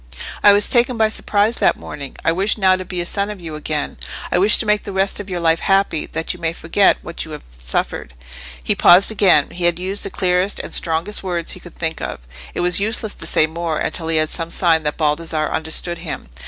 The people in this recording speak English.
"I was taken by surprise that morning. I wish now to be a son to you again. I wish to make the rest of your life happy, that you may forget what you have suffered." He paused again. He had used the clearest and strongest words he could think of. It was useless to say more, until he had some sign that Baldassarre understood him.